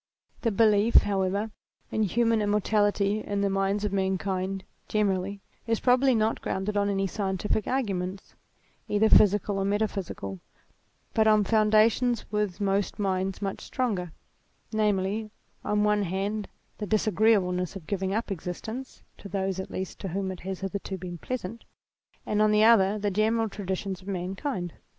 ~TheT>elief, however, in human immortality, in the minds of mankind generally, is probably not grounded on any scientific arguments either physical or meta physical, but on foundations with most minds much stronger, namely on one hand the disagreeableness of giving up existence, (to those at least to whom it has hitherto been pleasant) and on the other the general traditions of mankind.